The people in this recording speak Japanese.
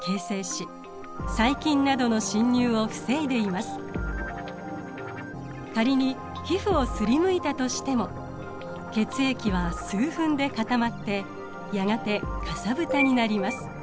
また皮膚の表面では仮に皮膚を擦りむいたとしても血液は数分で固まってやがてかさぶたになります。